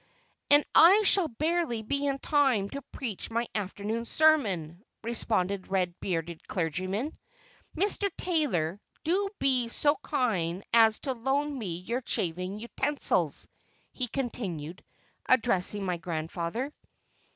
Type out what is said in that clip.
"And I shall barely be in time to preach my afternoon sermon," responded the red bearded clergyman. "Mr. Taylor, do be so kind as to loan me your shaving utensils," he continued, addressing my grandfather.